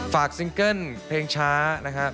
ฝากซิงเกิลอันของเราเพลงช้าย